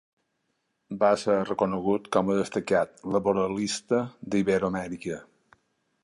Va ser reconegut com a destacat laboralista d'Iberoamèrica.